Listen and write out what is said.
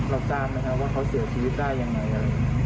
เราจำไมคะว่าเขาเสียชีวิตได้ยังไง